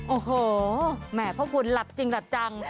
โอ้โหแหมพระคุณหลับจริงหลับจัง